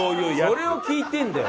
それを聞いてるんだよ。